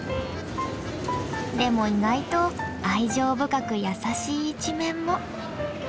でも意外と愛情深く優しい一面も。